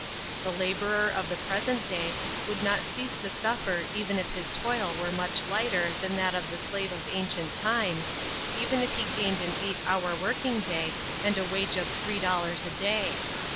The laborer of the present day would not cease to suffer even if his toil were much lighter than that of the slave of ancient times, even if he gained an eight hour working day and a wage of three dollars a day.